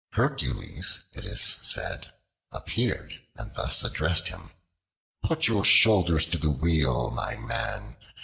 Hercules, it is said, appeared and thus addressed him: "Put your shoulders to the wheels, my man.